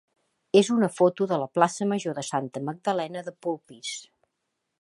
és una foto de la plaça major de Santa Magdalena de Polpís.